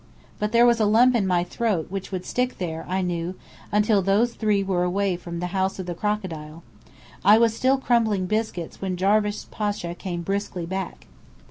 But there was a lump in my throat which would stick there, I knew, until those three were away from the House of the Crocodile. I was still crumbling biscuits when Jarvis Pasha came briskly back.